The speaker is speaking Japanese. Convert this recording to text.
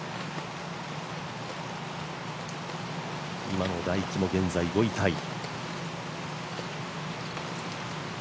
今野大喜も現在、５位タイ。